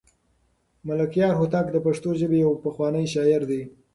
ملکیار هوتک د پښتو ژبې یو پخوانی شاعر دی.